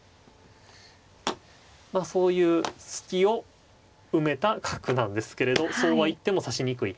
まあそういう隙を埋めた角なんですけれどそうは言っても指しにくい。